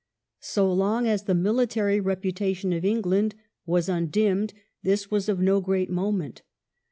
So long as the military reputation of England was undimmed this was of no great moment.